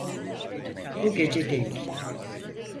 Bu gece değil.